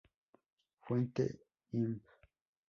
Fuente: Imdb